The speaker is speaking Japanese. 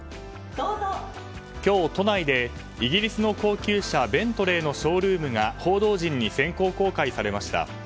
今日、都内でイギリスの高級車ベントレーのショールームが報道陣に先行公開されました。